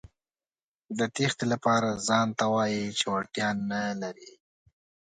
د تېښتې لپاره ځانته وايئ چې وړتیا نه لرئ.